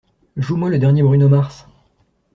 Joue-moi le dernier Bruno Mars